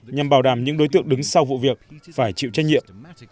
nhằm bảo đảm những đối tượng đứng sau vụ việc phải chịu trách nhiệm